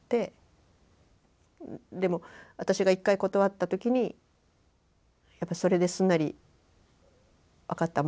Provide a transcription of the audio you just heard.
でも私が１回断った時にそれですんなり「分かった。